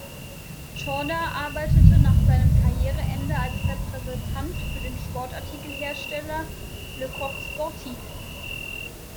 Chorda arbeitete nach seinem Karriereende als Repräsentant für den Sportartikelhersteller Le Coq Sportif.